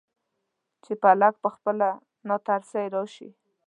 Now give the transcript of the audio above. چې فلک پخپله ناترسۍ راشي.